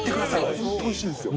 本当おいしいですよ。